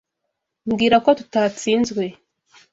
Mbwira ko tutatsinzwe.